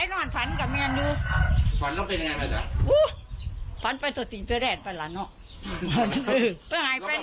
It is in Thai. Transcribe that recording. นอนไม่หลับแล้วพอนอนไม่หลับเราก็มีอีกการยังไงอีกครั้ง